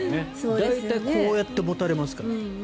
大体こうやって持たれますからね。